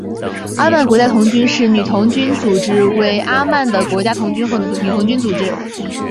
阿曼国家童军与女童军组织为阿曼的国家童军与女童军组织。